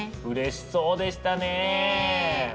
うれしそうでしたね。ね。